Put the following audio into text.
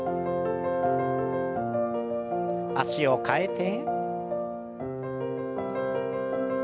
脚を替えて。